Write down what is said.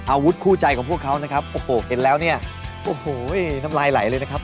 อาวุธคู่ใจของพวกเขานะครับโอ้โหเห็นแล้วเนี่ยโอ้โหน้ำลายไหลเลยนะครับ